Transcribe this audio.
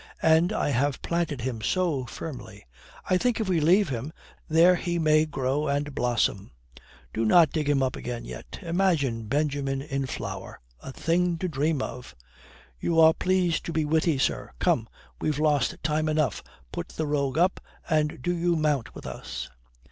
And I have planted him so firmly. I think if we leave him there he may grow and blossom. Do not dig him up again yet. Imagine Benjamin in flower! A thing to dream of." "You are pleased to be witty, sir. Come, we have lost time enough. Put the rogue up, and do you mount with us."